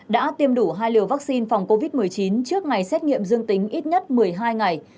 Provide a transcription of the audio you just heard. đã tiêm đủ hai liều vaccine phòng covid một mươi chín trước ngày xét nghiệm dương tính ít nhất một mươi hai ngày